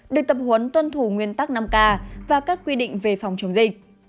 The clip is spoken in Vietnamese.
được tập huấn tuân thủ nguyên tắc năm k và các quy định về phòng chống dịch